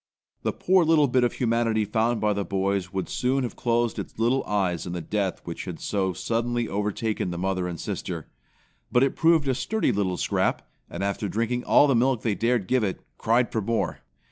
The poor little bit of humanity found by the boys would soon have closed its little eyes in the death which had so suddenly overtaken the mother and sister. But it proved a sturdy little scrap, and after drinking all the milk they dared give it, cried for more.